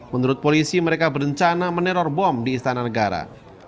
menurut polisi mereka berencana meneror bom di istana negara